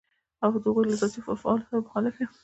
او د هغوی له ذاتي افعالو سره مخالف يم.